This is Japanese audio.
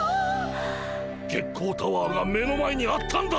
月光タワーが目の前にあったんだ！